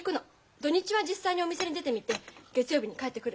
土日は実際にお店に出てみて月曜日に帰ってくる。